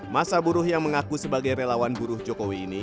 masa buruh yang mengaku sebagai relawan buruh jokowi ini